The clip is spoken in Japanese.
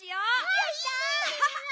やった！